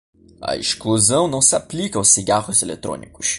A exclusão não se aplica aos cigarros eletrónicos.